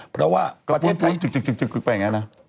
เพราะว่าประเทศไทยจุกไปอย่างนี้นะ